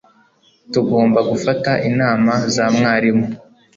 Tugomba gufata inama za mwarimu.